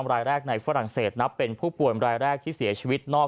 รายแรกในฝรั่งเศสนับเป็นผู้ป่วยรายแรกที่เสียชีวิตนอก